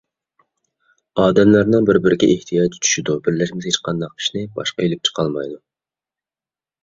ئادەملەرنىڭ بىر - بىرىگە ئېھتىياجى چۈشىدۇ، بىرلەشمىسە، ھېچقانداق ئىشنى باشقا ئېلىپ چىقالمايدۇ.